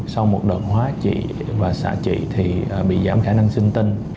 sau một đợt hóa trị và xạ trị thì bị giảm khả năng sinh tinh